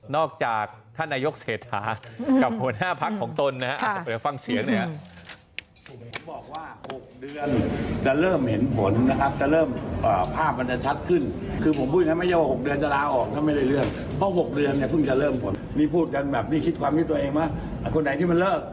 นอกจากท่านนายกเศรษฐากับหัวหน้าภักดิ์ของตนนะครับ